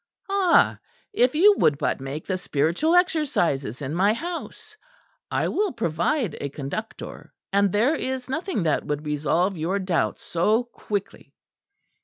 "Ah! if you would but make the Spiritual Exercises in my house; I will provide a conductor; and there is nothing that would resolve your doubts so quickly."